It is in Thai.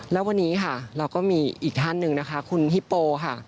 แล้ววันนี้ค่ะเราก็มีอีกท่านหนึ่งนะคะคุณฮิปโปค่ะ